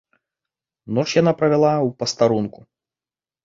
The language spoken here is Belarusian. Ноч яна правяла ў пастарунку.